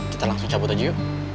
kita langsung cabut aja yuk